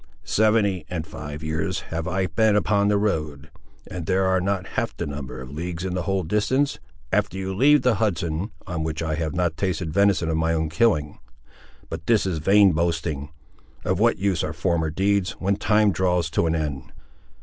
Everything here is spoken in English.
"Seventy and five years have I been upon the road; and there are not half that number of leagues in the whole distance, after you leave the Hudson, on which I have not tasted venison of my own killing. But this is vain boasting. Of what use are former deeds, when time draws to an end?"